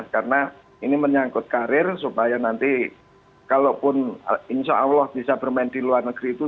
karena ini menyangkut karir supaya nanti kalaupun insya allah bisa bermain di luar negeri itu